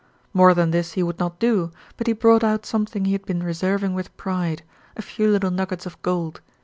More than this he would not do, but he brought out something he had been reserving with pride, a few little nuggets of gold.